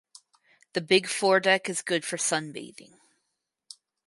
The big foredeck is good for sunbathing.